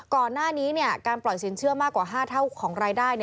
ก่อนหน้านี้การปล่อยสินเชื่อมากกว่า๕เท่าของรายได้